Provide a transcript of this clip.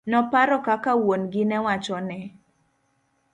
Noparo kaka wuon gi newachone.